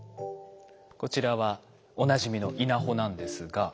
こちらはおなじみの稲穂なんですが。